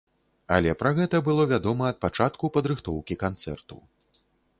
Але пра гэта было вядома ад пачатку падрыхтоўкі канцэрту.